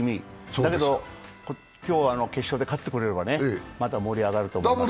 だけど、今日は決勝で勝ってくれればまた盛り上がると思います。